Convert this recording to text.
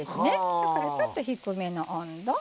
だからちょっと低めの温度。